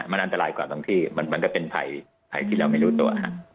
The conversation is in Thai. มันอันตรายกว่าบางที่มันก็เป็นภัยที่เราไม่รู้ตัว